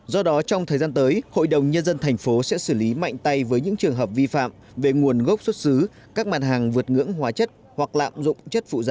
do đó trong thời gian tới hội đồng nhân dân thành phố sẽ xử lý mạnh tay với những trường hợp vi phạm về nguồn gốc xuất xứ các mặt hàng vượt ngưỡng hóa chất hoặc lạm dụng chất phụ da